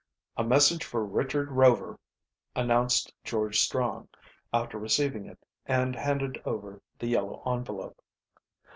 "A message for Richard Rover," announced George Strong, after receiving it, and handed over the yellow envelope.